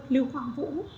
liêu hoàng vũ